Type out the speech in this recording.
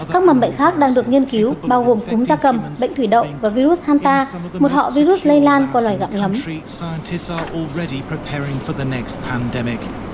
các mầm bệnh khác đang được nghiên cứu bao gồm cúm da cầm bệnh thủy động và virus hanta một họ virus lây lan qua loài gặm ngấm